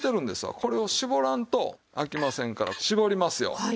これを絞らんとあきませんから絞りますよ。